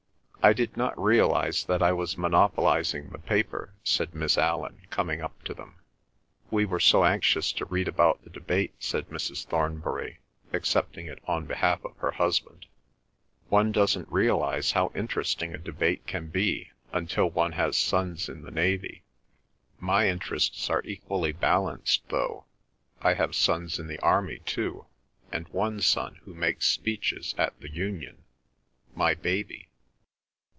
"I did not realise that I was monopolising the paper," said Miss Allan, coming up to them. "We were so anxious to read about the debate," said Mrs. Thornbury, accepting it on behalf of her husband. "One doesn't realise how interesting a debate can be until one has sons in the navy. My interests are equally balanced, though; I have sons in the army too; and one son who makes speeches at the Union—my baby!"